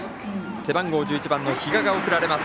背番号１１番の比嘉が送られます。